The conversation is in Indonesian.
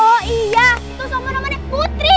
oh iya tuh sama namanya putri